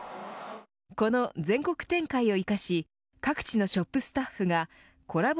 この全国展開を生かし各地のショップスタッフがコラボ